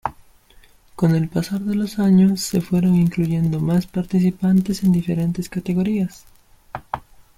Con el pasar de los años se fueron incluyendo más participantes en diferentes categorías.